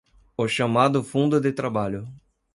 O chamado fundo de trabalho